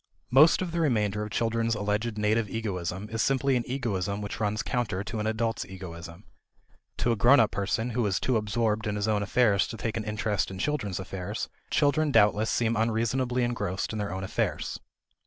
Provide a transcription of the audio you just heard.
Most of the remainder of children's alleged native egoism is simply an egoism which runs counter to an adult's egoism. To a grown up person who is too absorbed in his own affairs to take an interest in children's affairs, children doubtless seem unreasonably engrossed in their own affairs.